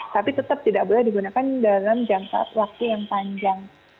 tapi tetap tidak boleh digunakan dalam jangka waktu yang panjang